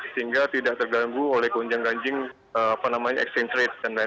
sehingga tidak terganggu oleh kunjang ganjing exchange rate dan lain lain